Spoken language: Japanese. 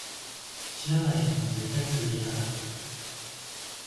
知らない人には、絶対ついていかない